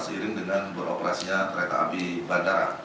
seiring dengan beroperasi kereta abibandara